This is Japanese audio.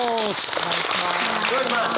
お願いします！